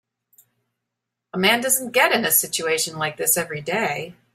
A man doesn't get in a situation like this every day.